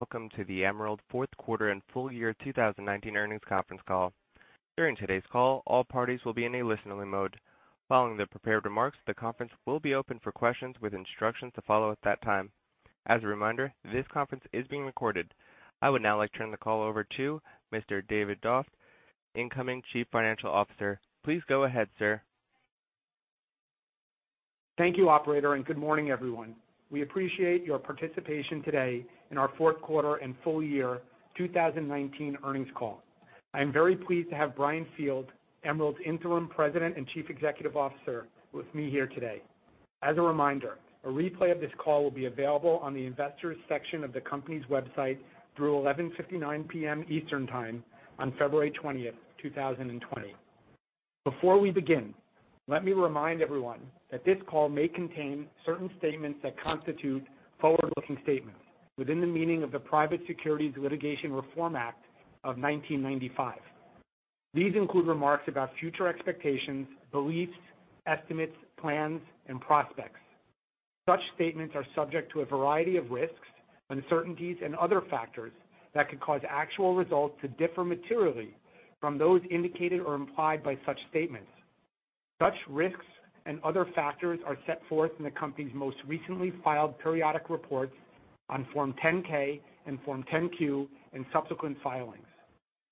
Welcome to the Emerald fourth quarter and full year 2019 earnings conference call. During today's call, all parties will be in a listening mode. Following the prepared remarks, the conference will be open for questions with instructions to follow at that time. As a reminder, this conference is being recorded. I would now like to turn the call over to Mr. David Doft, incoming Chief Financial Officer. Please go ahead, sir. Thank you, operator. Good morning, everyone. We appreciate your participation today in our fourth quarter and full year 2019 earnings call. I am very pleased to have Brian Field, Emerald's Interim President and Chief Executive Officer with me here today. As a reminder, a replay of this call will be available on the investors section of the company's website through 11:59 P.M. Eastern Time on February 20th, 2020. Before we begin, let me remind everyone that this call may contain certain statements that constitute forward-looking statements within the meaning of the Private Securities Litigation Reform Act of 1995. These include remarks about future expectations, beliefs, estimates, plans, and prospects. Such statements are subject to a variety of risks, uncertainties, and other factors that could cause actual results to differ materially from those indicated or implied by such statements. Such risks and other factors are set forth in the company's most recently filed periodic reports on Form 10-K and Form 10-Q and subsequent filings.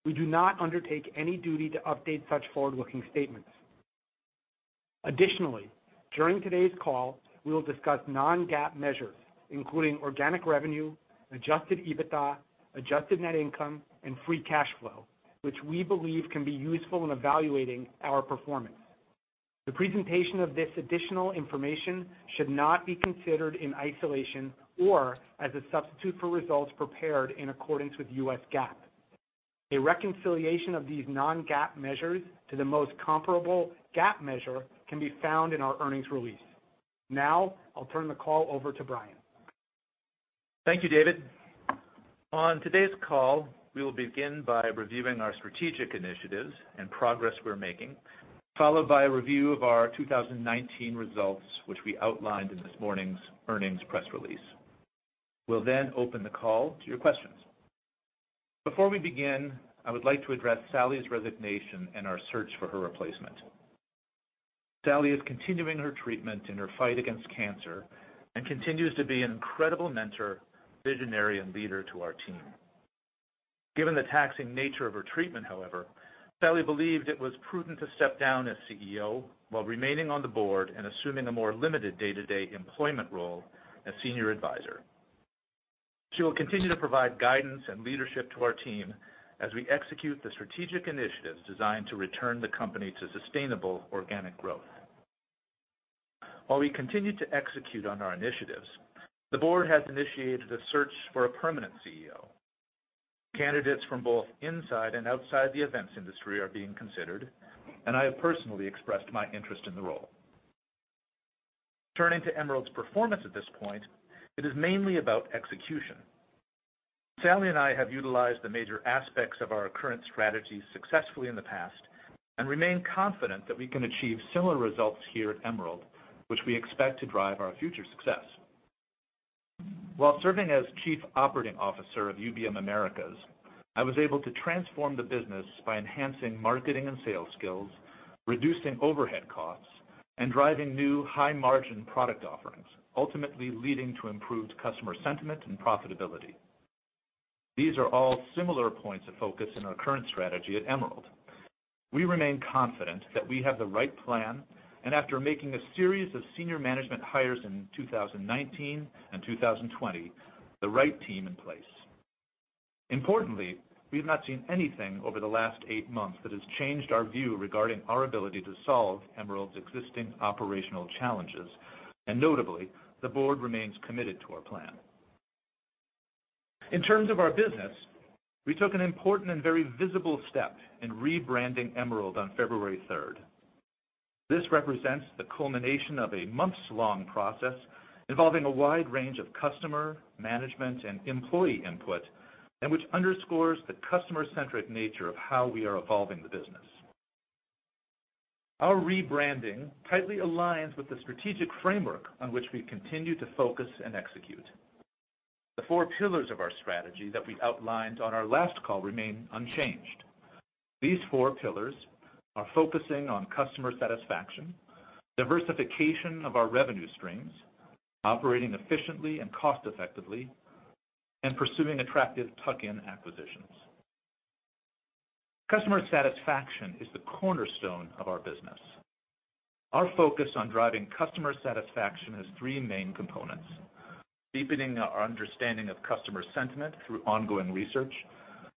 We do not undertake any duty to update such forward-looking statements. Additionally, during today's call, we will discuss non-GAAP measures, including organic revenue, adjusted EBITDA, adjusted net income, and free cash flow, which we believe can be useful in evaluating our performance. The presentation of this additional information should not be considered in isolation or as a substitute for results prepared in accordance with US GAAP. A reconciliation of these non-GAAP measures to the most comparable GAAP measure can be found in our earnings release. Now, I'll turn the call over to Brian. Thank you, David. On today's call, we will begin by reviewing our strategic initiatives and progress we're making, followed by a review of our 2019 results, which we outlined in this morning's earnings press release. We'll then open the call to your questions. Before we begin, I would like to address Sally's resignation and our search for her replacement. Sally is continuing her treatment in her fight against cancer and continues to be an incredible mentor, visionary, and leader to our team. Given the taxing nature of her treatment, however, Sally believed it was prudent to step down as CEO while remaining on the board and assuming a more limited day-to-day employment role as senior advisor. She will continue to provide guidance and leadership to our team as we execute the strategic initiatives designed to return the company to sustainable organic growth. While we continue to execute on our initiatives, the board has initiated the search for a permanent CEO. Candidates from both inside and outside the events industry are being considered, and I have personally expressed my interest in the role. Turning to Emerald's performance at this point, it is mainly about execution. Sally and I have utilized the major aspects of our current strategy successfully in the past and remain confident that we can achieve similar results here at Emerald, which we expect to drive our future success. While serving as Chief Operating Officer of UBM Americas, I was able to transform the business by enhancing marketing and sales skills, reducing overhead costs, and driving new high-margin product offerings, ultimately leading to improved customer sentiment and profitability. These are all similar points of focus in our current strategy at Emerald. We remain confident that we have the right plan, and after making a series of senior management hires in 2019 and 2020, the right team in place. Importantly, we've not seen anything over the last eight months that has changed our view regarding our ability to solve Emerald's existing operational challenges, and notably, the board remains committed to our plan. In terms of our business, we took an important and very visible step in rebranding Emerald on February 3rd. This represents the culmination of a months-long process involving a wide range of customer, management, and employee input and which underscores the customer-centric nature of how we are evolving the business. Our rebranding tightly aligns with the strategic framework on which we continue to focus and execute. The four pillars of our strategy that we outlined on our last call remain unchanged. These four pillars are focusing on customer satisfaction, diversification of our revenue streams, operating efficiently and cost effectively, and pursuing attractive tuck-in acquisitions. Customer satisfaction is the cornerstone of our business. Our focus on driving customer satisfaction has three main components. Deepening our understanding of customer sentiment through ongoing research,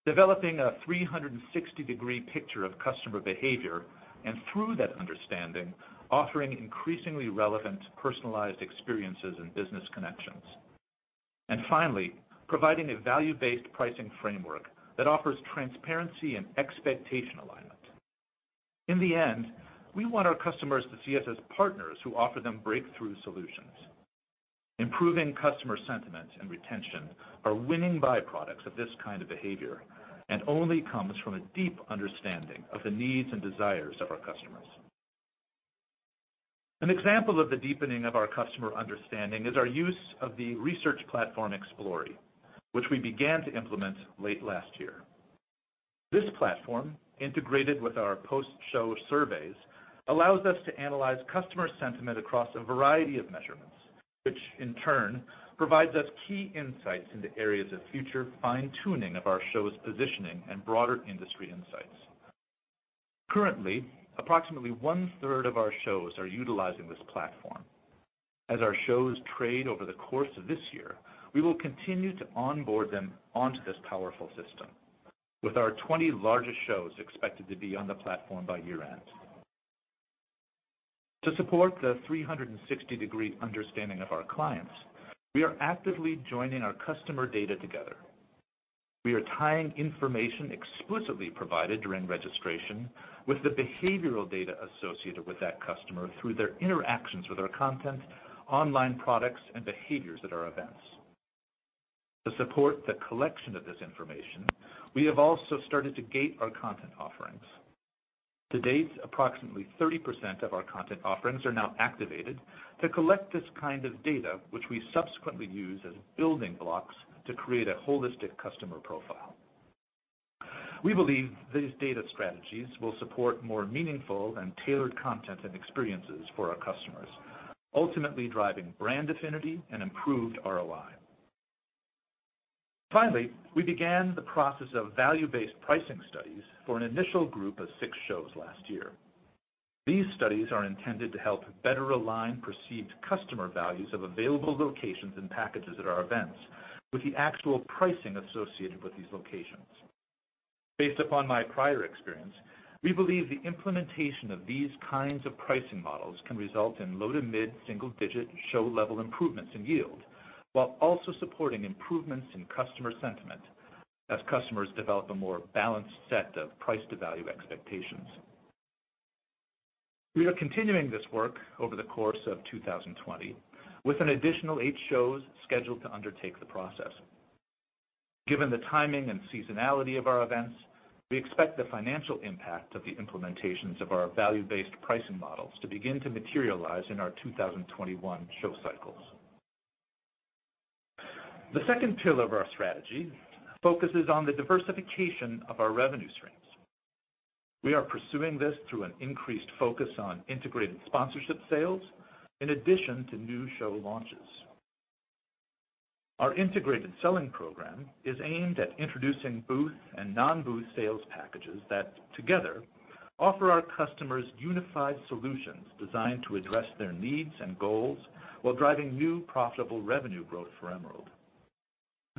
developing a 360-degree picture of customer behavior, and through that understanding, offering increasingly relevant personalized experiences and business connections. Finally, providing a value-based pricing framework that offers transparency and expectation alignment. In the end, we want our customers to see us as partners who offer them breakthrough solutions. Improving customer sentiment and retention are winning byproducts of this kind of behavior and only comes from a deep understanding of the needs and desires of our customers. An example of the deepening of our customer understanding is our use of the research platform Explori, which we began to implement late last year. This platform, integrated with our post-show surveys, allows us to analyze customer sentiment across a variety of measurements, which in turn provides us key insights into areas of future fine-tuning of our show's positioning and broader industry insights. Currently, approximately one-third of our shows are utilizing this platform. As our shows trade over the course of this year, we will continue to onboard them onto this powerful system with our 20 largest shows expected to be on the platform by year-end. To support the 360-degree understanding of our clients, we are actively joining our customer data together. We are tying information explicitly provided during registration with the behavioral data associated with that customer through their interactions with our content, online products, and behaviors at our events. To support the collection of this information, we have also started to gate our content offerings. To date, approximately 30% of our content offerings are now activated to collect this kind of data, which we subsequently use as building blocks to create a holistic customer profile. We believe these data strategies will support more meaningful and tailored content and experiences for our customers, ultimately driving brand affinity and improved ROI. Finally, we began the process of value-based pricing studies for an initial group of six shows last year. These studies are intended to help better align perceived customer values of available locations and packages at our events with the actual pricing associated with these locations. Based upon my prior experience, we believe the implementation of these kinds of pricing models can result in low-to-mid single-digit show level improvements in yield, while also supporting improvements in customer sentiment as customers develop a more balanced set of price-to-value expectations. We are continuing this work over the course of 2020 with an additional eight shows scheduled to undertake the process. Given the timing and seasonality of our events, we expect the financial impact of the implementations of our value-based pricing models to begin to materialize in our 2021 show cycles. The second pillar of our strategy focuses on the diversification of our revenue streams. We are pursuing this through an increased focus on integrated sponsorship sales in addition to new show launches. Our integrated selling program is aimed at introducing booth and non-booth sales packages that together offer our customers unified solutions designed to address their needs and goals while driving new profitable revenue growth for Emerald.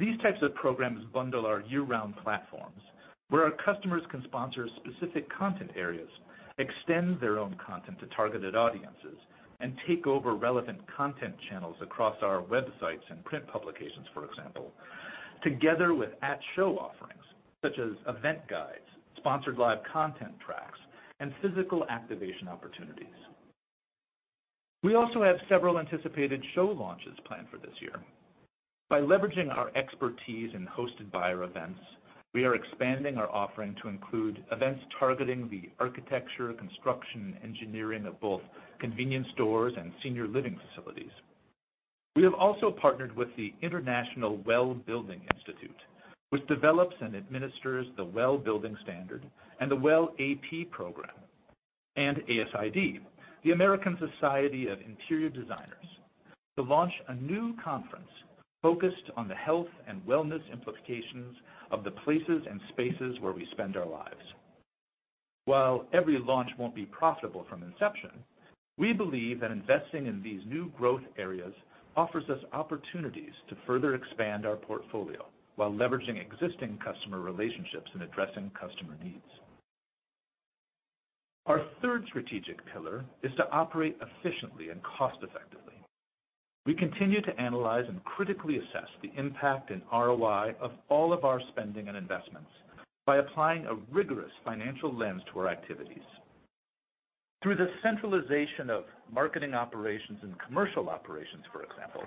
These types of programs bundle our year-round platforms where our customers can sponsor specific content areas, extend their own content to targeted audiences, and take over relevant content channels across our websites and print publications, for example, together with at-show offerings such as event guides, sponsored live content tracks, and physical activation opportunities. We also have several anticipated show launches planned for this year. By leveraging our expertise in hosted buyer events, we are expanding our offering to include events targeting the architecture, construction, and engineering of both convenience stores and senior living facilities. We have also partnered with the International WELL Building Institute, which develops and administers the WELL Building Standard and the WELL AP program, and ASID, the American Society of Interior Designers, to launch a new conference focused on the health and wellness implications of the places and spaces where we spend our lives. While every launch won't be profitable from inception, we believe that investing in these new growth areas offers us opportunities to further expand our portfolio while leveraging existing customer relationships and addressing customer needs. Our third strategic pillar is to operate efficiently and cost-effectively. We continue to analyze and critically assess the impact and ROI of all of our spending and investments by applying a rigorous financial lens to our activities. Through the centralization of marketing operations and commercial operations, for example,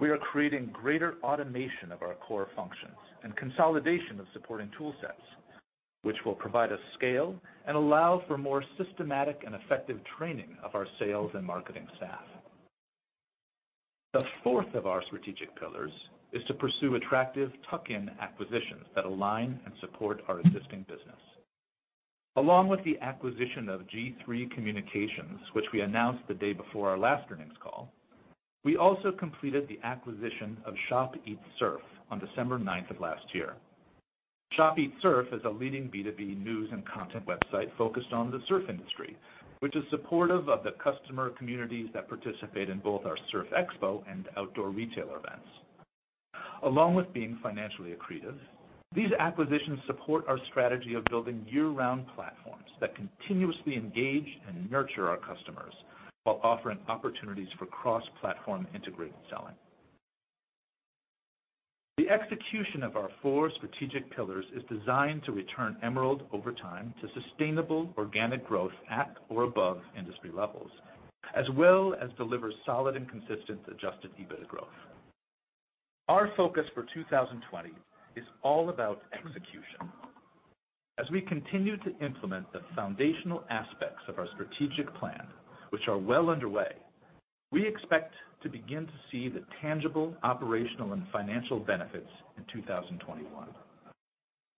we are creating greater automation of our core functions and consolidation of supporting tool sets, which will provide us scale and allow for more systematic and effective training of our sales and marketing staff. The fourth of our strategic pillars is to pursue attractive tuck-in acquisitions that align and support our existing business. Along with the acquisition of G3 Communications, which we announced the day before our last earnings call, we also completed the acquisition of Shop Eat Surf on December 9th of last year. Shop Eat Surf is a leading B2B news and content website focused on the surf industry, which is supportive of the customer communities that participate in both our Surf Expo and Outdoor Retailer events. Along with being financially accretive, these acquisitions support our strategy of building year-round platforms that continuously engage and nurture our customers while offering opportunities for cross-platform integrated selling. The execution of our four strategic pillars is designed to return Emerald over time to sustainable organic growth at or above industry levels, as well as deliver solid and consistent adjusted EBITDA growth. Our focus for 2020 is all about execution. As we continue to implement the foundational aspects of our strategic plan, which are well underway, we expect to begin to see the tangible, operational, and financial benefits in 2021.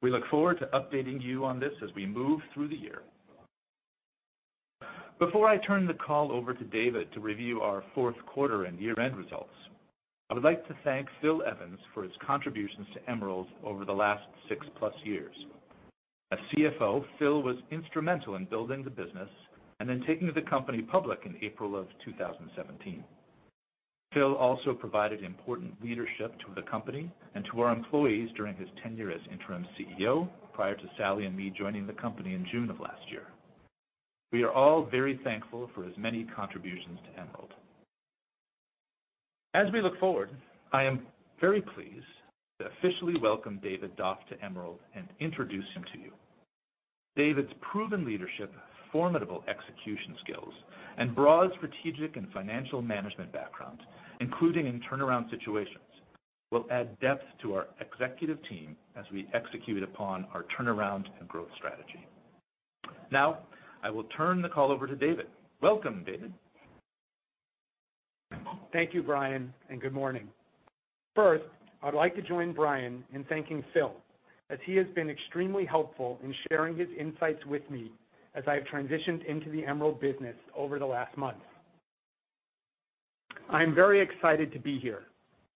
We look forward to updating you on this as we move through the year. Before I turn the call over to David to review our fourth quarter and year-end results, I would like to thank Phil Evans for his contributions to Emerald over the last six-plus years. As CFO, Phil was instrumental in building the business and in taking the company public in April of 2017. Phil also provided important leadership to the company and to our employees during his tenure as interim CEO prior to Sally and me joining the company in June of last year. We are all very thankful for his many contributions to Emerald. As we look forward, I am very pleased to officially welcome David Doft to Emerald and introduce him to you. David's proven leadership, formidable execution skills, and broad strategic and financial management background, including in turnaround situations, will add depth to our executive team as we execute upon our turnaround and growth strategy. Now, I will turn the call over to David. Welcome, David. Thank you, Brian. Good morning. First, I'd like to join Brian in thanking Phil, as he has been extremely helpful in sharing his insights with me as I've transitioned into the Emerald business over the last month. I'm very excited to be here.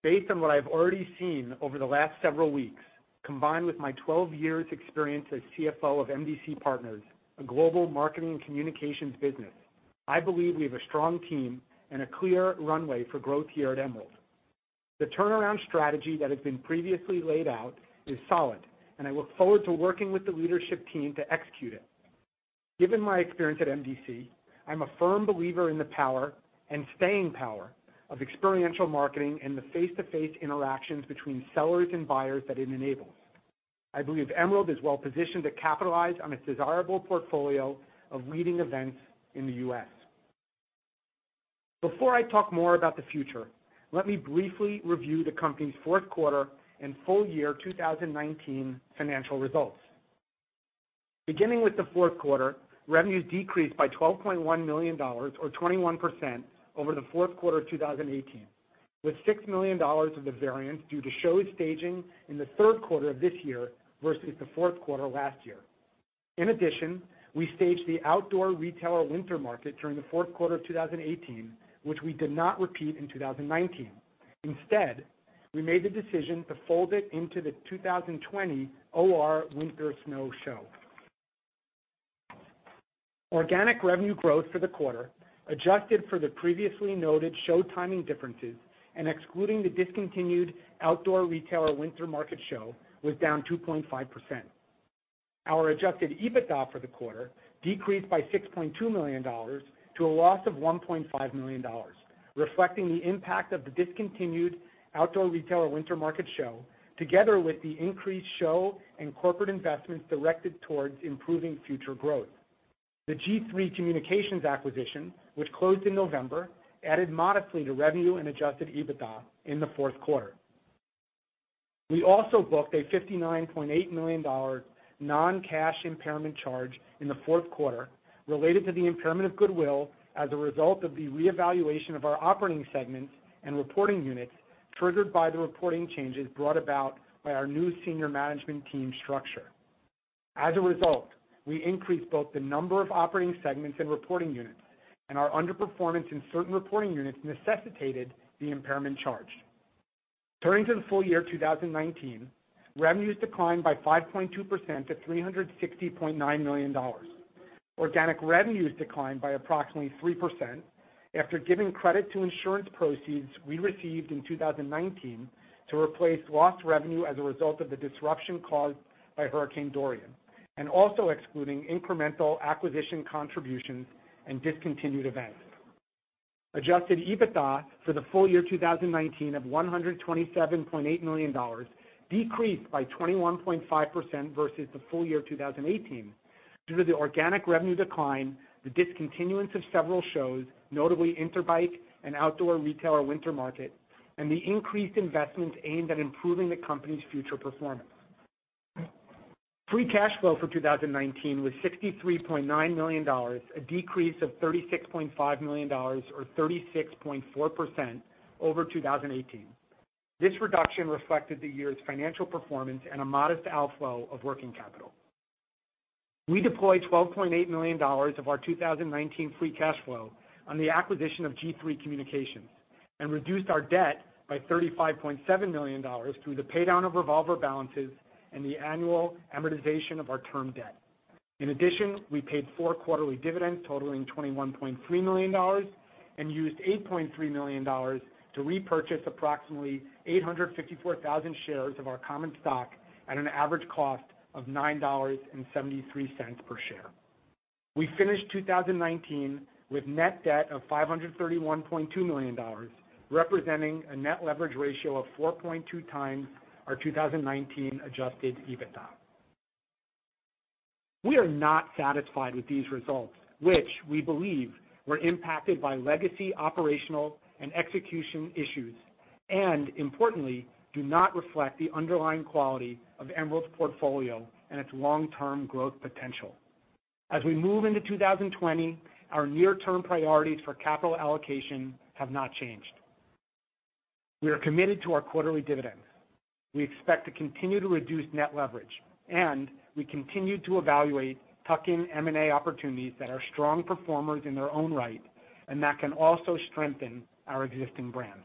Based on what I've already seen over the last several weeks, combined with my 12 years experience as CFO of MDC Partners, a global marketing communications business, I believe we have a strong team and a clear runway for growth here at Emerald. The turnaround strategy that has been previously laid out is solid. I look forward to working with the leadership team to execute it. Given my experience at MDC, I'm a firm believer in the power and staying power of experiential marketing and the face-to-face interactions between sellers and buyers that it enables. I believe Emerald is well positioned to capitalize on its desirable portfolio of leading events in the U.S. Before I talk more about the future, let me briefly review the company's fourth quarter and full year 2019 financial results. Beginning with the fourth quarter, revenues decreased by $12.1 million, or 21%, over the fourth quarter 2018, with $6 million of the variance due to show staging in the third quarter of this year versus the fourth quarter last year. In addition, we staged the Outdoor Retailer Winter Market during the fourth quarter of 2018, which we did not repeat in 2019. Instead, we made the decision to fold it into the 2020 OR Winter Snow Show. Organic revenue growth for the quarter, adjusted for the previously noted show timing differences and excluding the discontinued Outdoor Retailer Winter Market show, was down 2.5%. Our adjusted EBITDA for the quarter decreased by $6.2 million to a loss of $1.5 million, reflecting the impact of the discontinued Outdoor Retailer Winter Market show, together with the increased show and corporate investments directed towards improving future growth. The G3 Communications acquisition, which closed in November, added modestly to revenue and adjusted EBITDA in the fourth quarter. We also booked a $59.8 million non-cash impairment charge in the fourth quarter related to the impairment of goodwill as a result of the reevaluation of our operating segments and reporting units, triggered by the reporting changes brought about by our new senior management team structure. As a result, we increased both the number of operating segments and reporting units, and our underperformance in certain reporting units necessitated the impairment charge. Turning to the full year 2019, revenues declined by 5.2% to $360.9 million. Organic revenues declined by approximately 3% after giving credit to insurance proceeds we received in 2019 to replace lost revenue as a result of the disruption caused by Hurricane Dorian, and also excluding incremental acquisition contributions and discontinued events. adjusted EBITDA for the full year 2019 of $127.8 million decreased by 21.5% versus the full year 2018 due to the organic revenue decline, the discontinuance of several shows, notably Interbike and Outdoor Retailer Winter Market, and the increased investments aimed at improving the company's future performance. Free cash flow for 2019 was $63.9 million, a decrease of $36.5 million, or 36.4%, over 2018. This reduction reflected the year's financial performance and a modest outflow of working capital. We deployed $12.8 million of our 2019 free cash flow on the acquisition of G3 Communications and reduced our debt by $35.7 million through the paydown of revolver balances and the annual amortization of our term debt. We paid four quarterly dividends totaling $21.3 million and used $8.3 million to repurchase approximately 854,000 shares of our common stock at an average cost of $9.73 per share. We finished 2019 with net debt of $531.2 million, representing a net leverage ratio of 4.2 times our 2019 adjusted EBITDA. We are not satisfied with these results, which we believe were impacted by legacy operational and execution issues, and importantly, do not reflect the underlying quality of Emerald's portfolio and its long-term growth potential. As we move into 2020, our near-term priorities for capital allocation have not changed. We are committed to our quarterly dividends. We expect to continue to reduce net leverage, and we continue to evaluate tuck-in M&A opportunities that are strong performers in their own right and that can also strengthen our existing brands.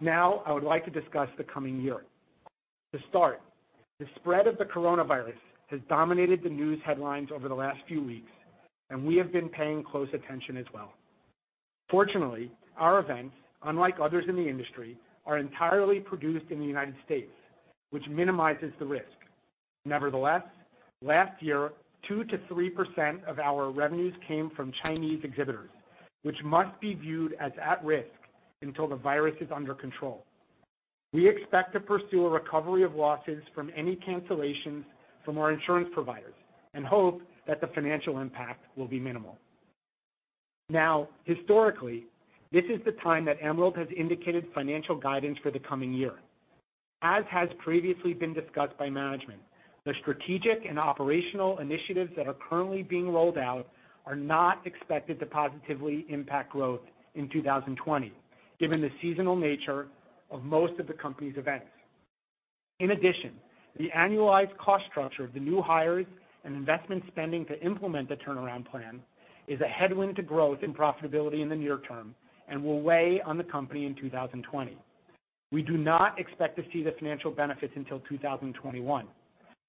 Now, I would like to discuss the coming year. To start, the spread of the coronavirus has dominated the news headlines over the last few weeks, and we have been paying close attention as well. Fortunately, our events, unlike others in the industry, are entirely produced in the United States, which minimizes the risk. Nevertheless, last year, 2%-3% of our revenues came from Chinese exhibitors, which must be viewed as at-risk until the virus is under control. We expect to pursue a recovery of losses from any cancellations from our insurance providers and hope that the financial impact will be minimal. Historically, this is the time that Emerald has indicated financial guidance for the coming year. As has previously been discussed by management, the strategic and operational initiatives that are currently being rolled out are not expected to positively impact growth in 2020, given the seasonal nature of most of the company's events. In addition, the annualized cost structure of the new hires and investment spending to implement the turnaround plan is a headwind to growth and profitability in the near term and will weigh on the company in 2020. We do not expect to see the financial benefits until 2021.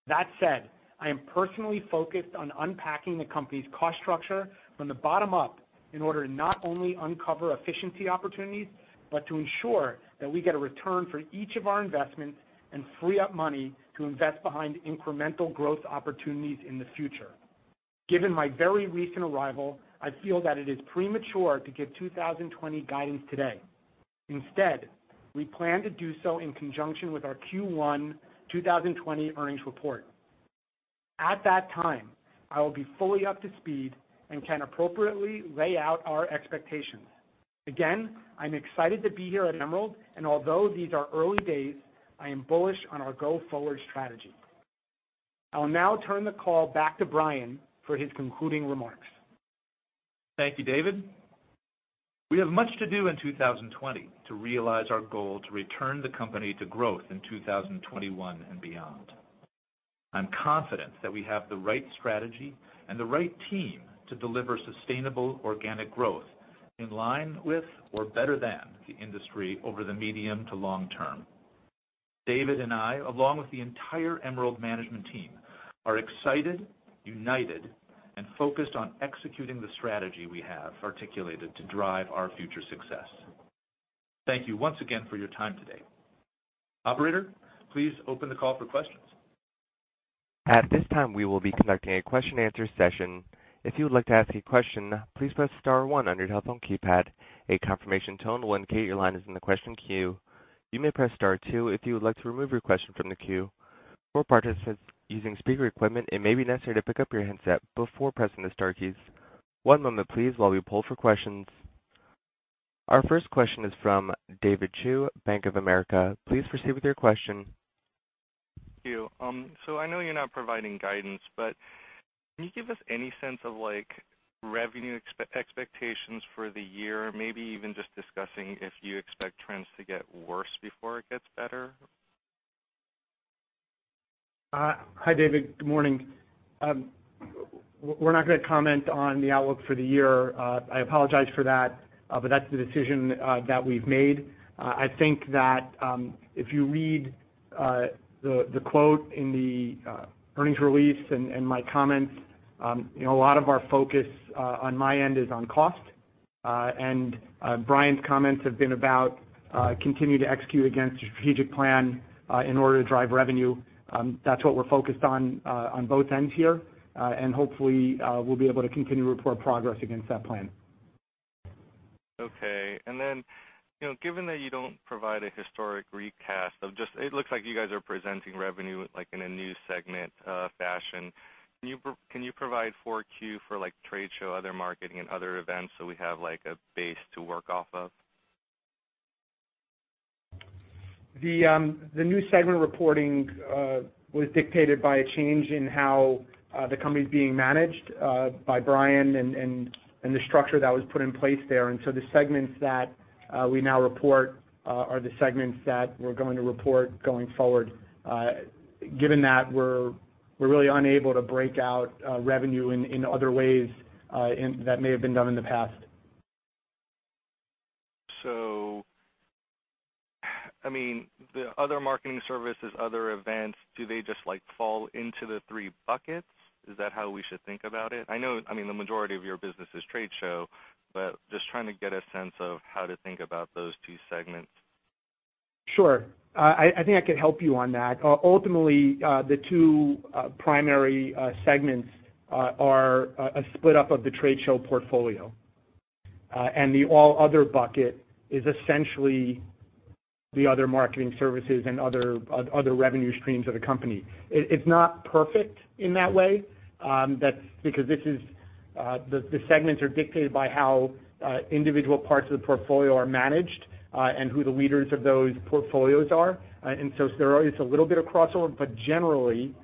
That said, I am personally focused on unpacking the company's cost structure from the bottom up in order to not only uncover efficiency opportunities, but to ensure that we get a return for each of our investments and free up money to invest behind incremental growth opportunities in the future. Given my very recent arrival, I feel that it is premature to give 2020 guidance today. Instead, we plan to do so in conjunction with our Q1 2020 earnings report. At that time, I will be fully up to speed and can appropriately lay out our expectations. Again, I'm excited to be here at Emerald, and although these are early days, I am bullish on our go-forward strategy. I will now turn the call back to Brian for his concluding remarks. Thank you, David. We have much to do in 2020 to realize our goal to return the company to growth in 2021 and beyond. I'm confident that we have the right strategy and the right team to deliver sustainable organic growth in line with or better than the industry over the medium to long term. David and I, along with the entire Emerald management team, are excited, united, and focused on executing the strategy we have articulated to drive our future success. Thank you once again for your time today. Operator, please open the call for questions. At this time, we will be conducting a question-answer session. If you would like to ask a question, please press star one on your telephone keypad. A confirmation tone will indicate your line is in the question queue. You may press star two if you would like to remove your question from the queue. For participants using speaker equipment, it may be necessary to pick up your handset before pressing the star keys. One moment please while we pull for questions. Our first question is from David Chu, Bank of America. Please proceed with your question. Thank you. I know you're not providing guidance, but can you give us any sense of revenue expectations for the year? Maybe even just discussing if you expect trends to get worse before it gets better. Hi, David. Good morning. We're not going to comment on the outlook for the year. I apologize for that's the decision that we've made. I think that if you read the quote in the earnings release and my comments, a lot of our focus on my end is on cost. Brian's comments have been about continuing to execute against a strategic plan in order to drive revenue. That's what we're focused on both ends here. Hopefully, we'll be able to continue to report progress against that plan. Okay. Given that you don't provide a historic recast, it looks like you guys are presenting revenue in a new segment fashion. Can you provide 4Q for trade show, other marketing, and other events so we have a base to work off of? The new segment reporting was dictated by a change in how the company's being managed by Brian and the structure that was put in place there. The segments that we now report are the segments that we're going to report going forward. Given that we're really unable to break out revenue in other ways that may have been done in the past. The other marketing services, other events, do they just fall into the three buckets? Is that how we should think about it? I know the majority of your business is trade show, but just trying to get a sense of how to think about those two segments. Sure. I think I can help you on that. Ultimately, the two primary segments are a split up of the trade show portfolio. The all other bucket is essentially the other marketing services and other revenue streams of the company. It's not perfect in that way, that's because the segments are dictated by how individual parts of the portfolio are managed and who the leaders of those portfolios are. There is a little bit of crossover, but generally,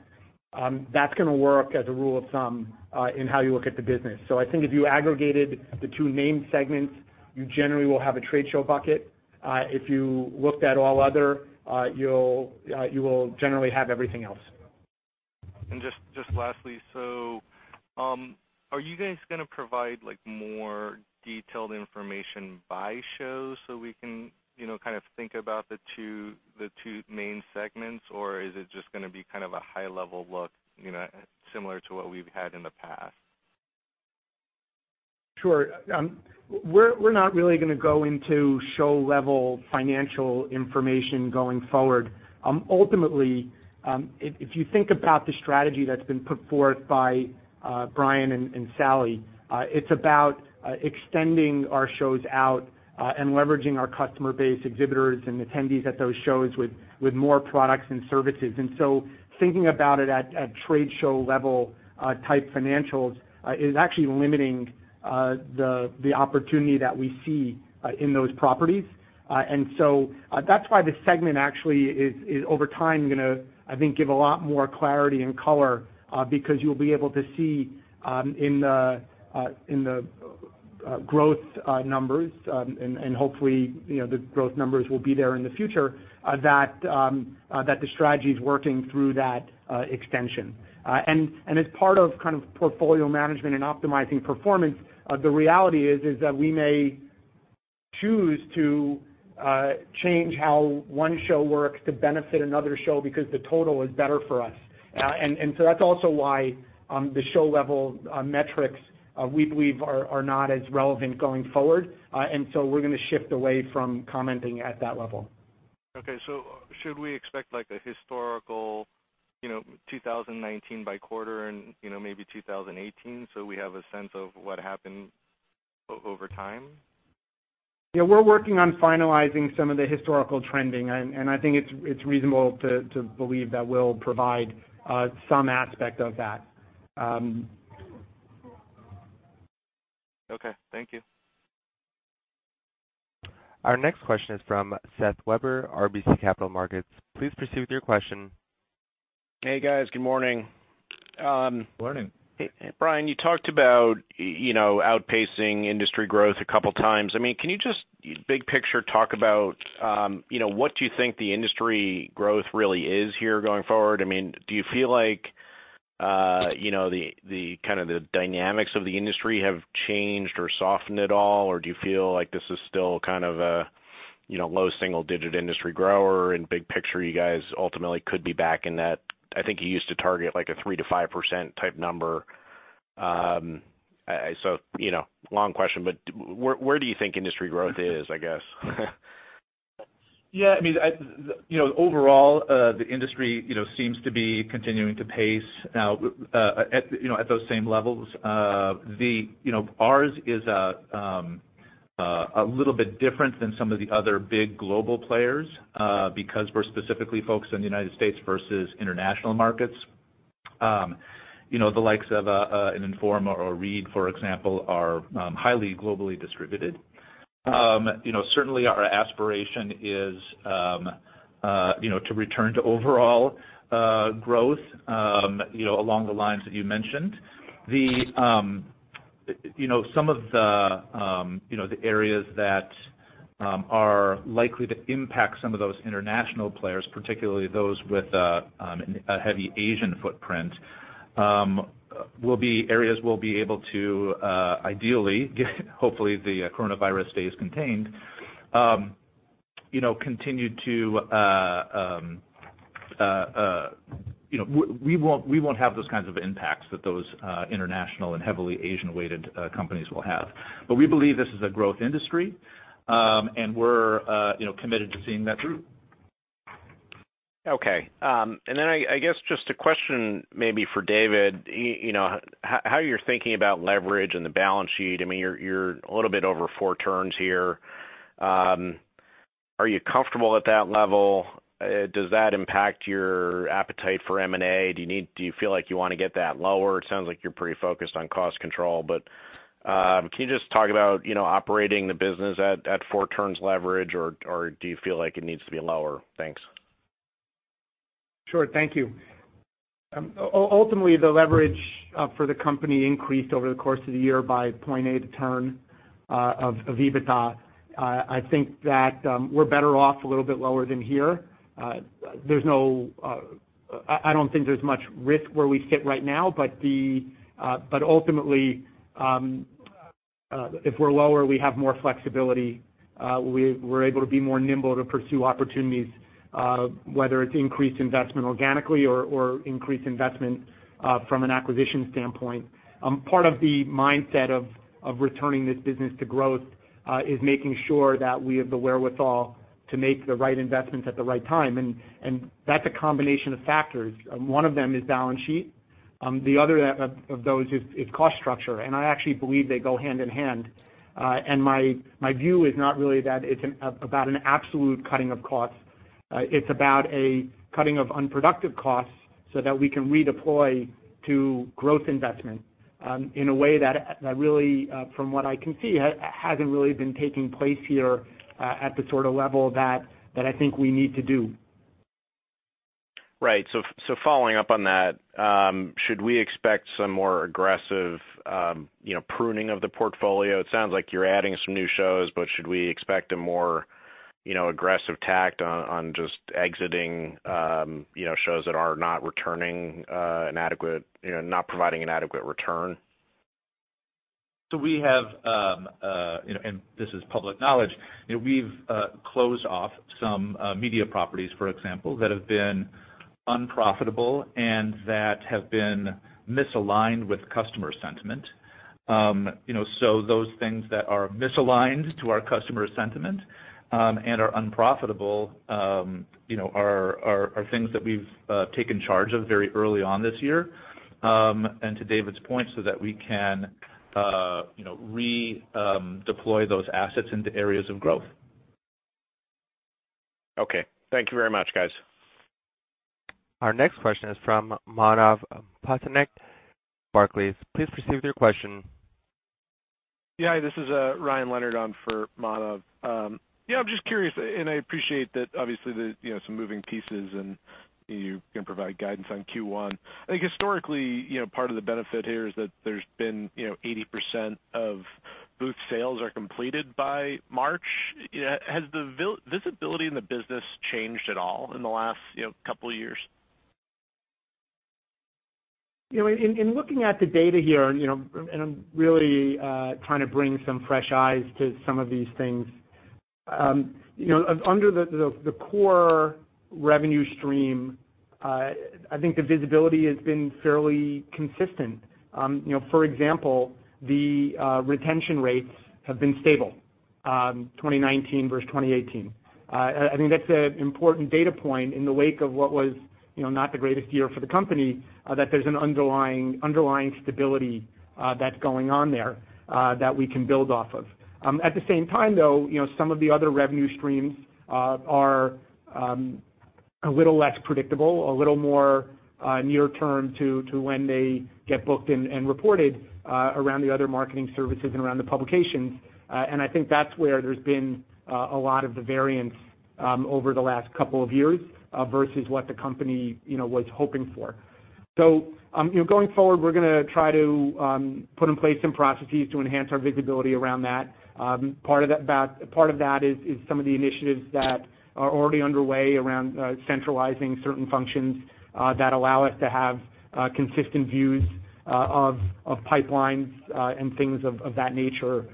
that's going to work as a rule of thumb, in how you look at the business. I think if you aggregated the two main segments, you generally will have a trade show bucket. If you looked at all other, you will generally have everything else. Just lastly, are you guys going to provide more detailed information by shows so we can, kind of think about the two main segments, or is it just going to be a high-level look, similar to what we've had in the past? Sure. We're not really going to go into show-level financial information going forward. Ultimately, if you think about the strategy that's been put forth by Brian and Sally, it's about extending our shows out and leveraging our customer base exhibitors and attendees at those shows with more products and services. Thinking about it at trade show level type financials, is actually limiting the opportunity that we see in those properties. That's why the segment actually is, over time, going to, I think, give a lot more clarity and color, because you'll be able to see in the growth numbers, and hopefully, the growth numbers will be there in the future, that the strategy's working through that extension. As part of portfolio management and optimizing performance, the reality is that we may choose to change how one show works to benefit another show because the total is better for us. That's also why the show-level metrics, we believe are not as relevant going forward. We're going to shift away from commenting at that level. Okay, should we expect a historical 2019 by quarter and maybe 2018, so we have a sense of what happened over time? We're working on finalizing some of the historical trending, and I think it's reasonable to believe that we'll provide some aspect of that. Okay. Thank you. Our next question is from Seth Weber, RBC Capital Markets. Please proceed with your question. Hey, guys. Good morning. Morning. Brian, you talked about outpacing industry growth a couple of times. Can you just big picture talk about what you think the industry growth really is here going forward? Do you feel like the dynamics of the industry have changed or softened at all, or do you feel like this is still a low single-digit industry grower and big picture, you guys ultimately could be back in that, I think you used to target a 3%-5% type number. Long question, but where do you think industry growth is, I guess? Yeah. Overall, the industry seems to be continuing to pace now at those same levels. Ours is a little bit different than some of the other big global players, because we're specifically focused on the U.S. versus international markets. The likes of an Informa or a Reed, for example, are highly globally distributed. Our aspiration is to return to overall growth along the lines that you mentioned. Some of the areas that are likely to impact some of those international players, particularly those with a heavy Asian footprint, will be areas we'll be able to ideally, hopefully the coronavirus stays contained. We won't have those kinds of impacts that those international and heavily Asian-weighted companies will have. We believe this is a growth industry, and we're committed to seeing that through. Okay. Then, I guess just a question maybe for David, how you're thinking about leverage and the balance sheet. You're a little bit over four turns here. Are you comfortable at that level? Does that impact your appetite for M&A? Do you feel like you want to get that lower? It sounds like you're pretty focused on cost control, can you just talk about operating the business at four turns leverage, or do you feel like it needs to be lower? Thanks. Sure. Thank you. Ultimately, the leverage for the company increased over the course of the year by 0.8 turn of EBITDA. I think that we're better off a little bit lower than here. I don't think there's much risk where we sit right now. Ultimately, if we're lower, we have more flexibility. We're able to be more nimble to pursue opportunities, whether it's increased investment organically or increased investment from an acquisition standpoint. Part of the mindset of returning this business to growth is making sure that we have the wherewithal to make the right investments at the right time. That's a combination of factors. One of them is balance sheet. The other of those is cost structure. I actually believe they go hand in hand. My view is not really that it's about an absolute cutting of costs, it's about a cutting of unproductive costs so that we can redeploy to growth investment in a way that really, from what I can see, hasn't really been taking place here at the sort of level that I think we need to do. Right. Following up on that, should we expect some more aggressive pruning of the portfolio? It sounds like you're adding some new shows, but should we expect a more aggressive tact on just exiting shows that are not providing an adequate return? We have, and this is public knowledge, we've closed off some media properties, for example, that have been unprofitable and that have been misaligned with customer sentiment. Those things that are misaligned to our customer sentiment, and are unprofitable, are things that we've taken charge of very early on this year. To David's point, so that we can redeploy those assets into areas of growth. Okay. Thank you very much, guys. Our next question is from Manav Patnaik, Barclays. Please proceed with your question. Hi, this is Ryan Leonard on for Manav. I'm just curious, and I appreciate that obviously there's some moving pieces, and you can provide guidance on Q1. I think historically, part of the benefit here is that there's been 80% of booth sales are completed by March. Has the visibility in the business changed at all in the last couple of years? In looking at the data here, and I'm really trying to bring some fresh eyes to some of these things. Under the core revenue stream, I think the visibility has been fairly consistent. For example, the retention rates have been stable, 2019 versus 2018. I think that's an important data point in the wake of what was not the greatest year for the company, that there's an underlying stability that's going on there that we can build off of. At the same time, though, some of the other revenue streams are a little less predictable, a little more near-term to when they get booked and reported around the other marketing services and around the publications. I think that's where there's been a lot of the variance over the last couple of years versus what the company was hoping for. Going forward, we're going to try to put in place some processes to enhance our visibility around that. Part of that is some of the initiatives that are already underway around centralizing certain functions that allow us to have consistent views of pipelines and things of that nature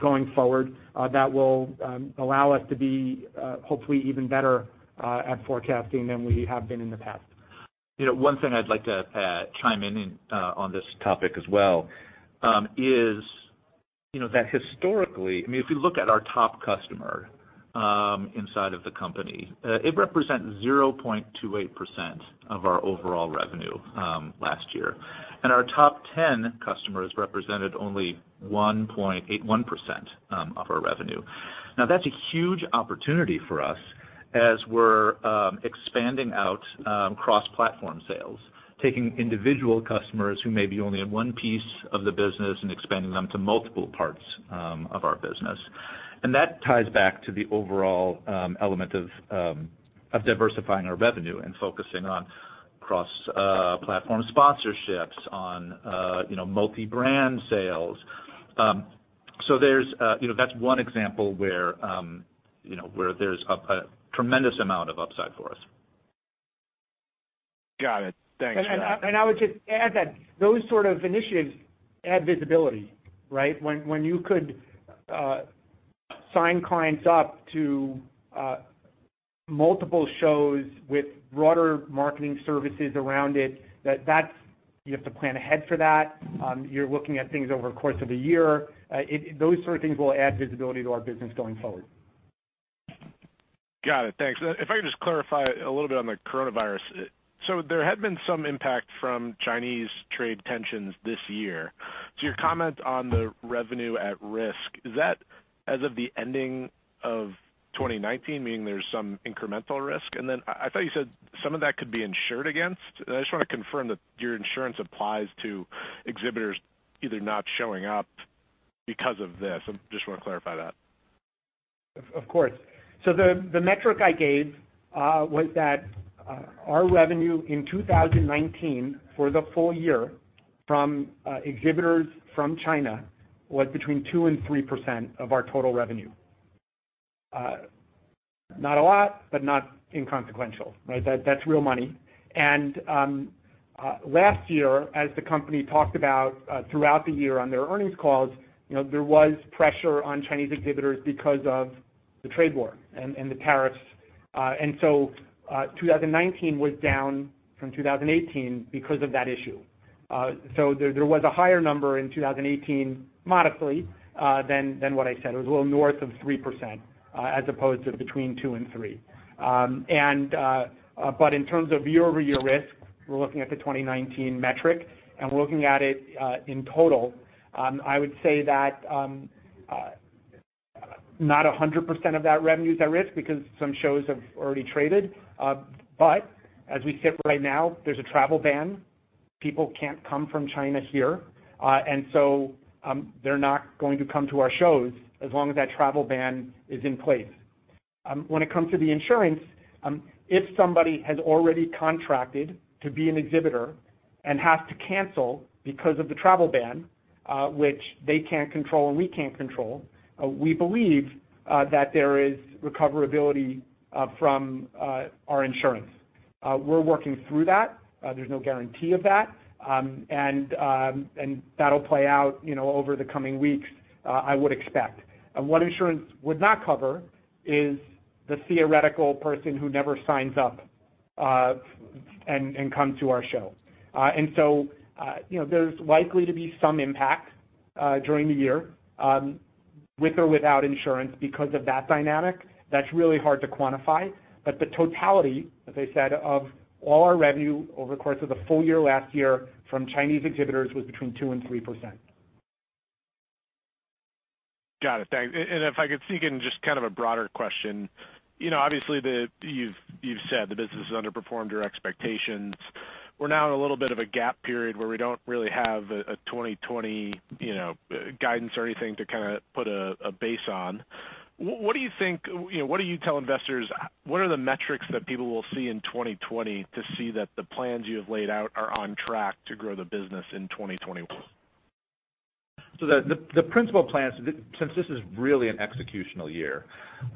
going forward. That will allow us to be hopefully even better at forecasting than we have been in the past. One thing I'd like to chime in on this topic as well is that historically, if you look at our top customer inside of the company, it represents 0.28% of our overall revenue last year. Our top 10 customers represented only 1.81% of our revenue. Now, that's a huge opportunity for us as we're expanding out cross-platform sales, taking individual customers who may be only in one piece of the business and expanding them to multiple parts of our business. That ties back to the overall element of diversifying our revenue and focusing on cross-platform sponsorships on multi-brand sales. That's one example where there's a tremendous amount of upside for us. Got it. Thanks. I would just add that those sort of initiatives add visibility, right? When you could sign clients up to multiple shows with broader marketing services around it, you have to plan ahead for that. You're looking at things over a course of a year. Those sort of things will add visibility to our business going forward. Got it. Thanks. If I could just clarify a little bit on the coronavirus. There had been some impact from Chinese trade tensions this year. Your comment on the revenue at risk, is that as of the ending of 2019, meaning there's some incremental risk? I thought you said some of that could be insured against. I just want to confirm that your insurance applies to exhibitors either not showing up because of this. I just want to clarify that. Of course. The metric I gave was that our revenue in 2019 for the full year from exhibitors from China was between 2% and 3% of our total revenue. Not a lot, not inconsequential, right? That's real money. Last year, as the company talked about throughout the year on their earnings calls, there was pressure on Chinese exhibitors because of the trade war and the tariffs. 2019 was down from 2018 because of that issue. There was a higher number in 2018, modestly, than what I said. It was a little north of 3%, as opposed to between 2% and 3%. In terms of year-over-year risk, we're looking at the 2019 metric, and we're looking at it in total. I would say that not 100% of that revenue is at risk because some shows have already traded. As we sit right now, there's a travel ban. People can't come from China here, so they're not going to come to our shows as long as that travel ban is in place. When it comes to the insurance, if somebody has already contracted to be an exhibitor and has to cancel because of the travel ban, which they can't control and we can't control, we believe that there is recoverability from our insurance. We're working through that. There's no guarantee of that'll play out over the coming weeks, I would expect. What insurance would not cover is the theoretical person who never signs up and comes to our show. There's likely to be some impact during the year, with or without insurance, because of that dynamic. That's really hard to quantify. The totality, as I said, of all our revenue over the course of the full year last year from Chinese exhibitors was between 2% and 3%. Got it. Thanks. If I could sneak in just kind of a broader question. Obviously, you've said the business has underperformed your expectations. We're now in a little bit of a gap period where we don't really have a 2020 guidance or anything to put a base on. What do you tell investors? What are the metrics that people will see in 2020 to see that the plans you have laid out are on track to grow the business in 2021? The principal plans, since this is really an executional year,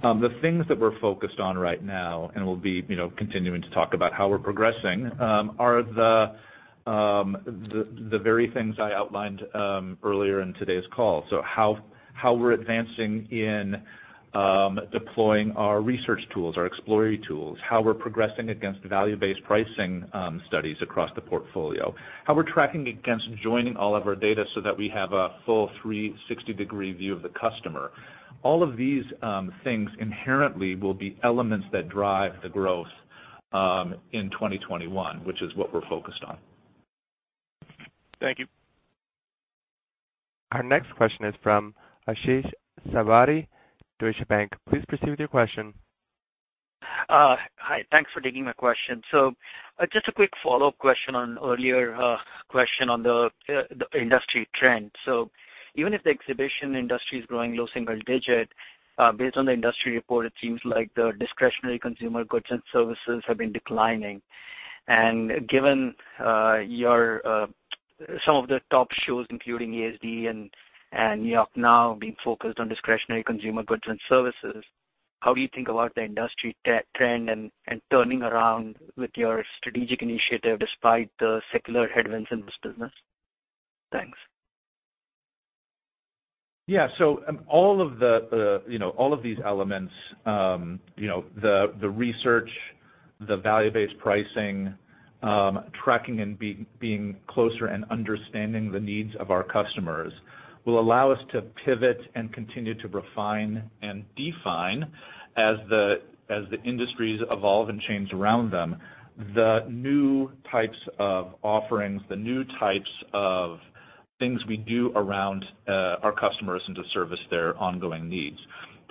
the things that we're focused on right now, and we'll be continuing to talk about how we're progressing, are the very things I outlined earlier in today's call. How we're advancing in deploying our research tools, our Explori tools, how we're progressing against value-based pricing studies across the portfolio, how we're tracking against joining all of our data so that we have a full 360-degree view of the customer. All of these things inherently will be elements that drive the growth in 2021, which is what we're focused on. Thank you. Our next question is from Ashish Sabadra, Deutsche Bank. Please proceed with your question. Hi. Thanks for taking my question. Just a quick follow-up question on earlier question on the industry trend. Even if the exhibition industry is growing low single-digit, based on the industry report, it seems like the discretionary consumer goods and services have been declining. Given some of the top shows, including ASD and NY NOW being focused on discretionary consumer goods and services, how do you think about the industry trend and turning around with your strategic initiative despite the secular headwinds in this business? Thanks. Yeah. All of these elements, the research, the value-based pricing, tracking and being closer and understanding the needs of our customers will allow us to pivot and continue to refine and define as the industries evolve and change around them, the new types of offerings, the new types of things we do around our customers and to service their ongoing needs.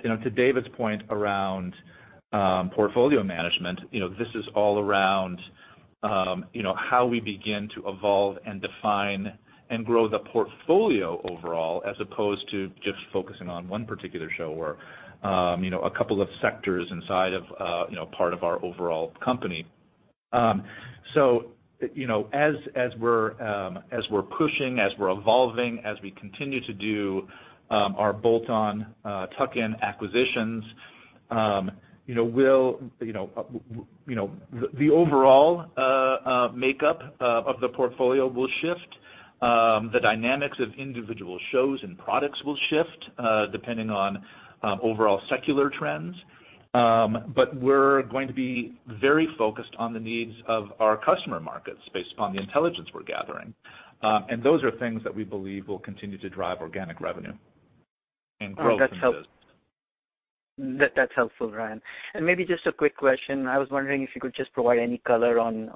To David's point around portfolio management, this is all around how we begin to evolve and define and grow the portfolio overall, as opposed to just focusing on one particular show or a couple of sectors inside of part of our overall company. As we're pushing, as we're evolving, as we continue to do our bolt-on tuck-in acquisitions, the overall makeup of the portfolio will shift. The dynamics of individual shows and products will shift depending on overall secular trends. We're going to be very focused on the needs of our customer markets based upon the intelligence we're gathering. Those are things that we believe will continue to drive organic revenue and growth in business. That's helpful, Brian. Maybe just a quick question. I was wondering if you could just provide any color on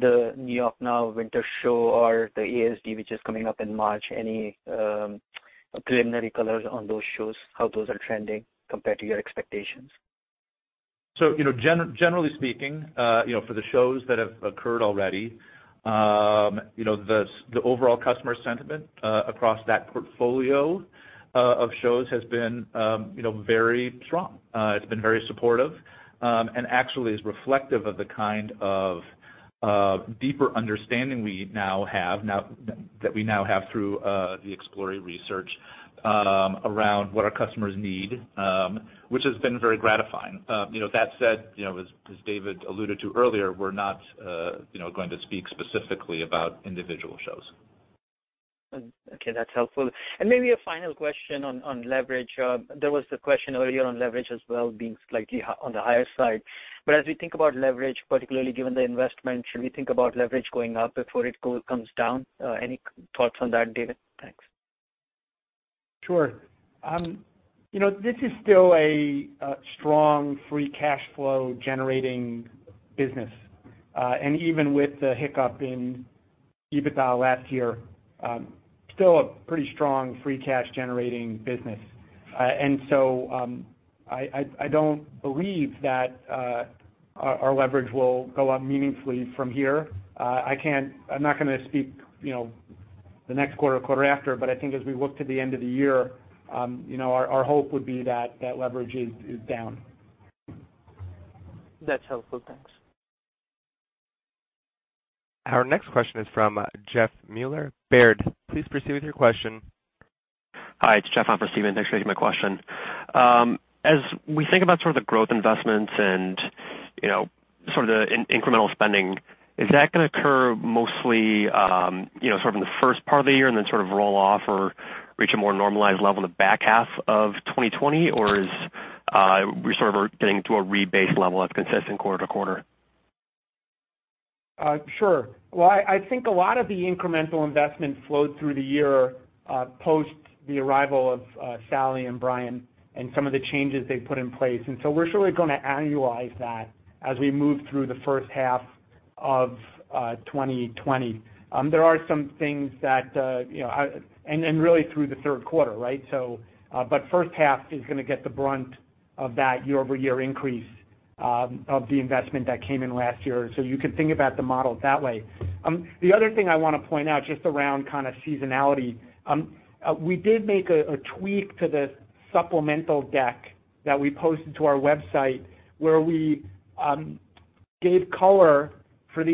the New York NOW winter show or the ASD, which is coming up in March. Any preliminary colors on those shows, how those are trending compared to your expectations? Generally speaking for the shows that have occurred already, the overall customer sentiment across that portfolio of shows has been very strong. It's been very supportive, and actually is reflective of the kind of deeper understanding that we now have through the Explori research around what our customers need, which has been very gratifying. That said, as David alluded to earlier, we're not going to speak specifically about individual shows. Okay, that's helpful. Maybe a final question on leverage. There was the question earlier on leverage as well being slightly on the higher side. As we think about leverage, particularly given the investment, should we think about leverage going up before it comes down? Any thoughts on that, David? Thanks. Sure. This is still a strong free cash flow-generating business. Even with the hiccup in EBITDA last year, still a pretty strong free cash generating business. I don't believe that our leverage will go up meaningfully from here. I'm not going to speak the next quarter after, but I think as we look to the end of the year, our hope would be that that leverage is down. That's helpful. Thanks. Our next question is from Jeff Meuler, Baird. Please proceed with your question. Hi, it's Jeff on for Steven. Thanks for taking my question. As we think about sort of the growth investments and sort of the incremental spending, is that going to occur mostly sort of in the first part of the year and then sort of roll off or reach a more normalized level in the back half of 2020? Is we sort of getting to a rebase level that's consistent quarter-over-quarter? Sure. Well, I think a lot of the incremental investment flowed through the year, post the arrival of Sally and Brian and some of the changes they've put in place. We're surely going to annualize that as we move through the first half of 2020. Really through the third quarter, right? First half is going to get the brunt of that year-over-year increase of the investment that came in last year. You could think about the model that way. The other thing I want to point out, just around kind of seasonality, we did make a tweak to the supplemental deck that we posted to our website, where we gave color for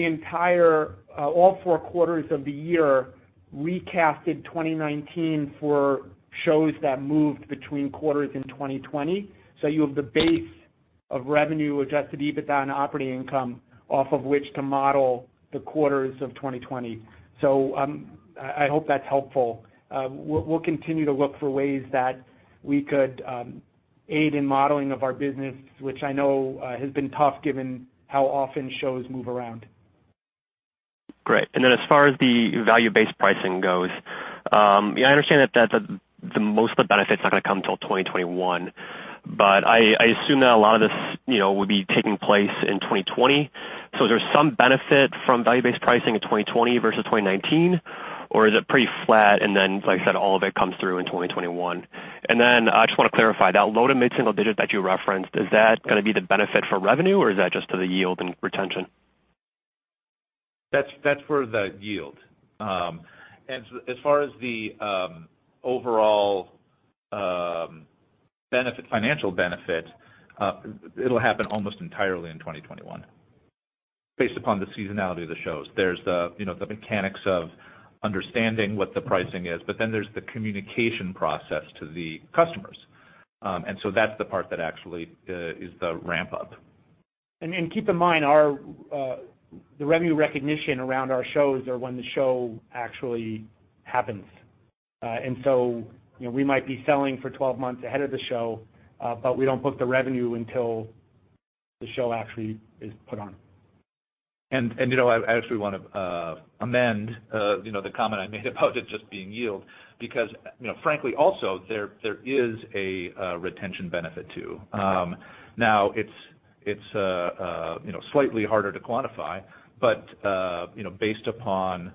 all four quarters of the year, recasted 2019 for shows that moved between quarters in 2020. You have the base of revenue, adjusted EBITDA, and operating income off of which to model the quarters of 2020. I hope that's helpful. We'll continue to look for ways that we could aid in modeling of our business, which I know has been tough given how often shows move around. Great. Then as far as the value-based pricing goes, I understand that most of the benefit's not going to come until 2021, but I assume that a lot of this would be taking place in 2020. Is there some benefit from value-based pricing in 2020 versus 2019? Or is it pretty flat and then, like I said, all of it comes through in 2021? Then I just want to clarify, that low to mid-single digit that you referenced, is that going to be the benefit for revenue or is that just to the yield and retention? That's for the yield. As far as the overall financial benefit, it'll happen almost entirely in 2021 based upon the seasonality of the shows. There's the mechanics of understanding what the pricing is, but then there's the communication process to the customers. That's the part that actually is the ramp up. Keep in mind, the revenue recognition around our shows are when the show actually happens. We might be selling for 12 months ahead of the show, but we don't book the revenue until the show actually is put on. I actually want to amend the comment I made about it just being yield because frankly also, there is a retention benefit too. It's slightly harder to quantify, but based upon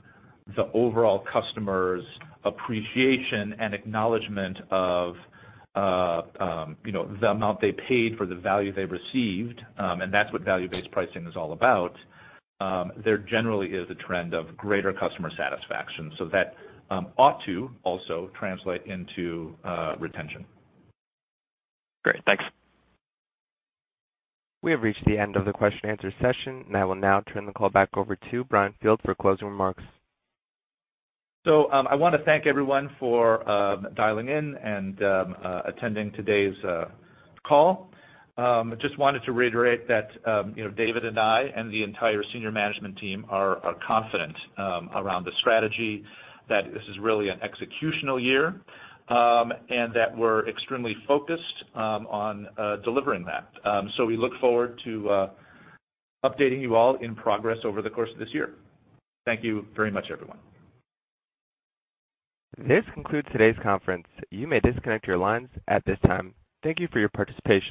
the overall customer's appreciation and acknowledgement of the amount they paid for the value they received, and that's what value-based pricing is all about, there generally is a trend of greater customer satisfaction. That ought to also translate into retention. Great. Thanks. We have reached the end of the question and answer session, and I will now turn the call back over to Brian Field for closing remarks. I want to thank everyone for dialing in and attending today's call. Just wanted to reiterate that David and I and the entire senior management team are confident around the strategy, that this is really an executional year, and that we're extremely focused on delivering that. We look forward to updating you all in progress over the course of this year. Thank you very much, everyone. This concludes today's conference. You may disconnect your lines at this time. Thank you for your participation.